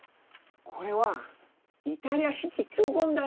「これはイタリア式教本だよ」